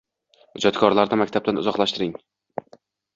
Ijodkorlarni maktabdan uzoqlashtirgan.